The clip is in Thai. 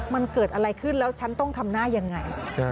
มันเกิดอะไรขึ้นแล้วฉันต้องทำหน้ายังไง